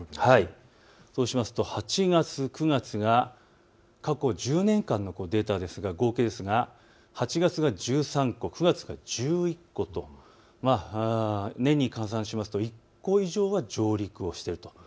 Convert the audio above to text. そうしますと８月、９月が過去１０年間のデータですが合計ですが８月が１３個、９月が１１個と年に換算しますと１個以上は上陸をしていると。